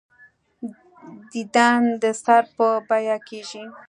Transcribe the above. دیدن د سر په بیعه کېږي.